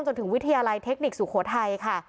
วิทยาลัยเทคนิคสุโขทัยค่ะ